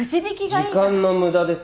時間の無駄です。